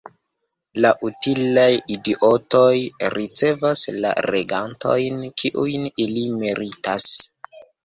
La utilaj idiotoj ricevas la regantojn kiujn ili meritas.